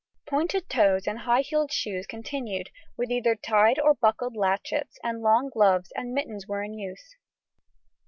Pointed toes and high heeled shoes continued, with either tied or buckled latchets, and long gloves and mittens were in use.